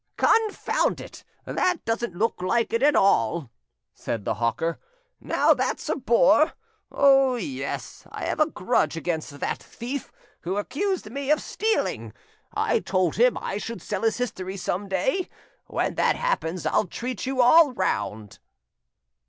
"Confound it, that doesn't look like it at all," said the hawker: "now that's a bore! Oh yes, I have a grudge against that thief, who accused me of stealing. I told him I should sell his history some day. When that happens, I'll treat you all round."